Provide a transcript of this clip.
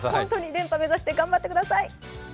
連覇目指して頑張ってください。